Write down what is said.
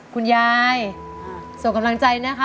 คุณยายส่งกำลังใจนะคะ